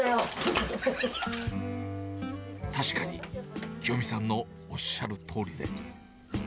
確かに、きよみさんのおっしゃるとおりで。